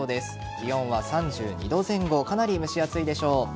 気温は３２度前後かなり蒸し暑いでしょう。